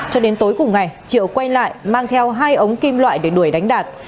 cho đến tối cùng ngày triệu quay lại mang theo hai ống kim loại để đuổi đánh đạt